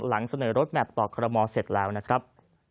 หลังเสนอรถแมพต่อคอรมอเสร็จแล้วนะครับ